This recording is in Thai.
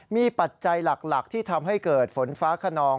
มีปัจจัยหลักที่ทำให้เกิดฝนฟ้าขนอง